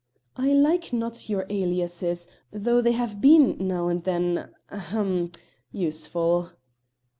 "I like not your aliases, though they have been, now and then ahem! useful."